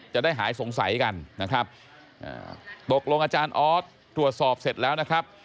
จะได้หายสงสัยกันนะครับตกลงอาจารย์ออสตรวจสอบเสร็จแล้วนะครับ